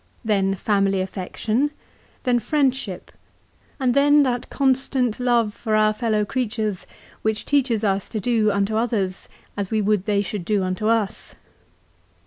Then family affection ; then friendship ; and then that constant love for our fellow creatures which teaches us to do unto others as we would they should do unto us.